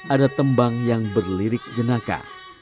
ada tembang yang berlirik jenaka